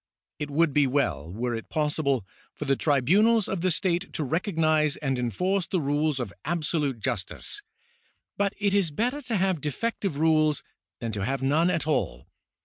It would be well, were it possible, for the tribunals of the state to recog nise and enforce the rules of absolute justice ; but it is better to have defective rules than to have none at all.